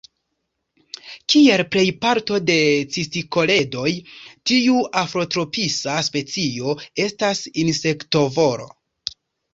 Kiel plej parto de cistikoledoj, tiu afrotropisa specio estas insektovora.